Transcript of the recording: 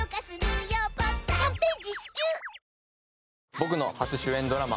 僕の初主演ドラマ